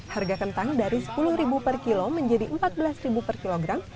harga kentang dari rp sepuluh per kilo menjadi rp empat belas per kilogram